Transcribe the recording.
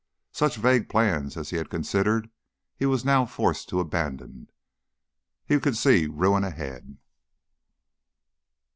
Such vague plans as he had considered he was now forced to abandon. He could see ruin ahead.